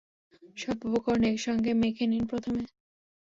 সব উপকরণ একসঙ্গে মেখে নিন প্রথমে।